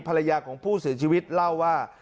ภรรยาของผู้เสียชีวิตเล่าว่า